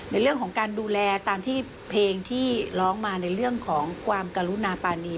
ในเรื่องของการดูแลตามที่เพลงที่ร้องมาในเรื่องของความกรุณาปานี